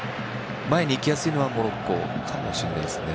前に行きやすいのはモロッコかもしれないですね。